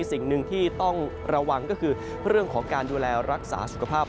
สิ่งหนึ่งที่ต้องระวังก็คือเรื่องของการดูแลรักษาสุขภาพ